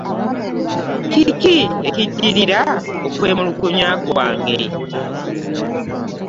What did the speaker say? Kiki ekiddirira okwemulugynya kwange?